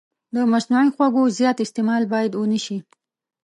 د مصنوعي خوږو زیات استعمال باید ونه شي.